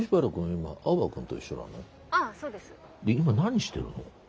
今何してるの？